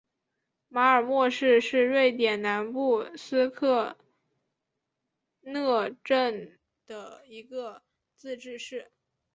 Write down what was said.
马尔默市是瑞典南部斯科讷省的一个自治市。